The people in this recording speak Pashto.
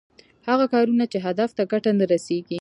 هغه کارونه چې هدف ته ګټه نه رسېږي.